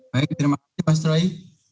baik terima kasih mas roy